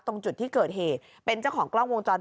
ตรงจุดที่เกิดเหตุเป็นเจ้าของกล้องวงจร